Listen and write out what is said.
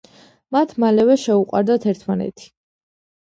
მათ მალევე შეუყვარდათ ერთმანეთი.